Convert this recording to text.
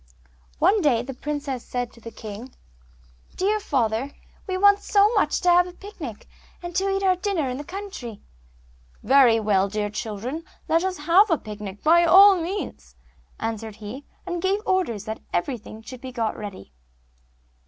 One day the princesses said to the king, 'Dear father, we want so much to have a picnic, and eat our dinner in the country.' 'Very well, dear children, let us have a picnic by all means,' answered he, and gave orders that everything should be got ready.